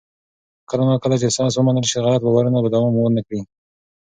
کله نا کله چې ساینس ومنل شي، غلط باورونه به دوام ونه کړي.